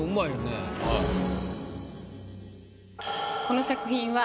この作品は。